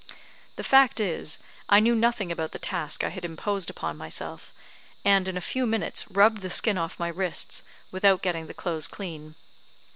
The fact is, I knew nothing about the task I had imposed upon myself, and in a few minutes rubbed the skin off my wrists, without getting the clothes clean.